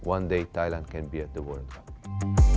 และกับการทำงานมากไทยจะได้อยู่ที่โรงพยาบาล